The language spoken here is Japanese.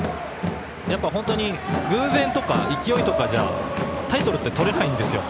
偶然とか勢いとかじゃタイトルってとれないんですよ。